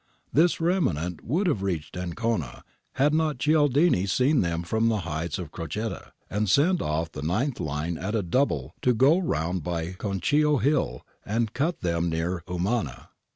This remnant would have reached Ancona, had not Cialdini seen them from the heights of Crocette and sent off the Ninth Line at a double, to go round by the Concio hill and cut them near Umana.